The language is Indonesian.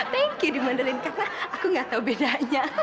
thank you di mandalin karena aku gak tau bedanya